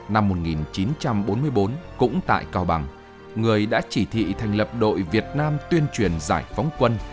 năm một nghìn chín trăm bốn mươi bốn cũng tại cao bằng người đã chỉ thị thành lập đội việt nam tuyên truyền giải phóng quân